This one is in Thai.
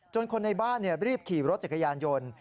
คนในบ้านรีบขี่รถจักรยานยนต์